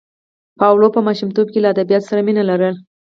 پاولو په ماشومتوب کې له ادبیاتو سره مینه لرله.